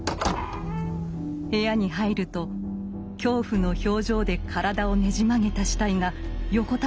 部屋に入ると恐怖の表情で体をねじ曲げた死体が横たわっていました。